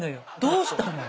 どうしたの？